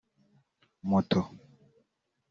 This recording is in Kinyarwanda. moto